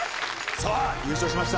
さあ優勝しました。